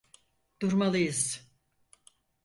Durmalıyız.